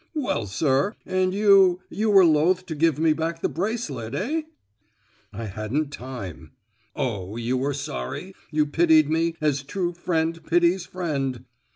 "Well, sir, and you—you were loth to give me back the bracelet, eh?" "I hadn't time." "Oh! you were sorry—you pitied me, as true friend pities friend!"